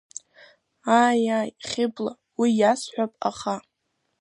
Ааи, ааи, Хьыбла, уи иасҳәап, аха…